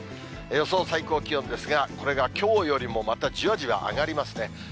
予想最高気温ですが、これがきょうよりもまたじわじわ上がりますね。